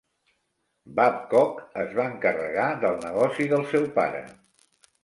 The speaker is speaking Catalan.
Babcock es va encarregar del negoci del seu pare.